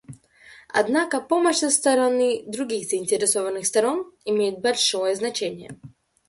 Однако помощь со стороны других заинтересованных сторон имеет большое значение.